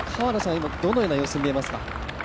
今、どのような様子見れますか？